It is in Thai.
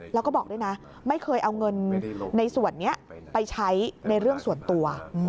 แล้วก็บอกด้วยนะไม่เคยเอาเงินในส่วนนี้ไปใช้ในเรื่องส่วนตัว